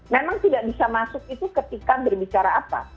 memang tidak bisa masuk itu ketika berbicara apa